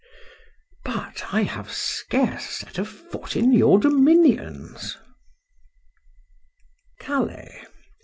— But I have scarce set a foot in your dominions.— CALAIS.